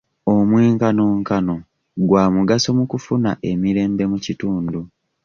Omwenkanonkano gwa mugaso mu kufuna emirembe mu kitundu.